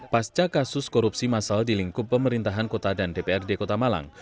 pasca kasus korupsi masal di lingkup pemerintahan kota dan dprd kota malang